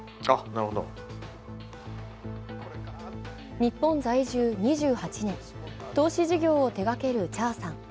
日本在住２８年、投資事業を手掛けるチャーさん。